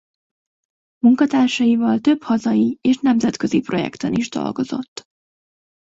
Munkatársaival több hazai és nemzetközi projekten is dolgozott.